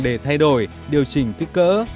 để thay đổi điều chỉnh kích cỡ